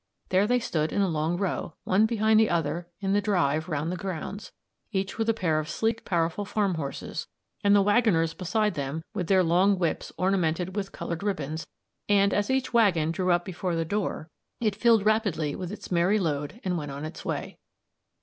There they stood in a long row, one behind the other in the drive round the grounds, each with a pair of sleek, powerful farm horses, and the waggoners beside them with their long whips ornamented with coloured ribbons; and as each waggon drew up before the door, it filled rapidly with its merry load and went on its way.